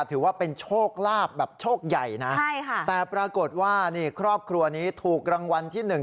ถือว่าเป็นโชคลาภแบบโชคใหญ่นะใช่ค่ะแต่ปรากฏว่านี่ครอบครัวนี้ถูกรางวัลที่หนึ่ง